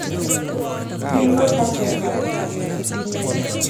Kliko chatreka.